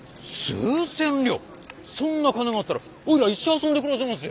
そんな金があったらおいら一生遊んで暮らせますよ。